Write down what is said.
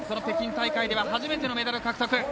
北京大会では初めてのメダル獲得。